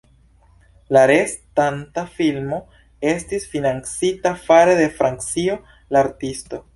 La restanta filmo estis financita fare de Francio: "La Artisto".